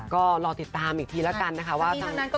ก็รอติดตามอีกทีแล้วกันนะคะว่า